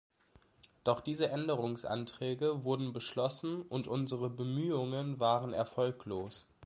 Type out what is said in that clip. Doch diese Änderungsanträge wurden beschlossen und unsere Bemühungen waren erfolglos.